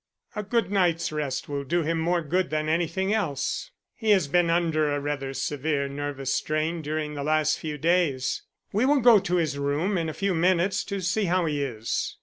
"A good night's rest will do him more good than anything else. He has been under a rather severe nervous strain during the last few days. We will go to his room in a few minutes to see how he is."